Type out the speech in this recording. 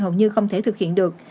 hầu như không thể thực hiện được